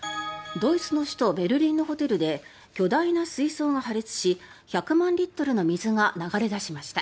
ドイツの首都ベルリンのホテルで巨大な水槽が破裂し１００万リットルの水が流れ出しました。